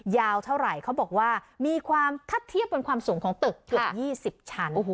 ยาวเท่าไหร่เขาบอกว่ามีความถ้าเทียบบนความสูงของตึกเกือบ๒๐ชั้น